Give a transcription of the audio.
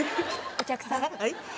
お客さん。